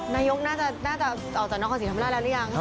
นายกน่าจะออกจากน้องขาวสีธรรมดาแล้วหรือยัง